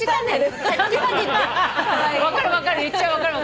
分かる分かる。